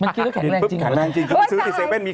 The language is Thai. มันกินแล้วแข็งแรงจริงปุ๊บหรอคะหรือเป็นไง